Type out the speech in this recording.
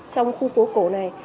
trong khu phố cổ này